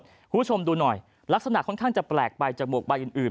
คุณผู้ชมดูหน่อยลักษณะค่อนข้างจะแปลกไปจากหมวกใบอื่น